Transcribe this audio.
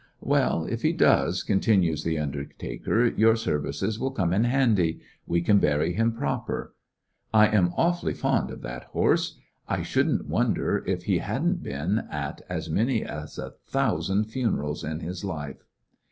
"Well, if he doeSj" continued the under taker, "your services will come in handy. We can bury him proper. I am awful fond of that horse. I should n't wonder if he had n't been at as many as a thousand funer als in his life."